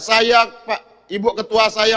saya ibu ketua saya